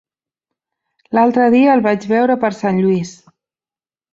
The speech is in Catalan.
L'altre dia el vaig veure per Sant Lluís.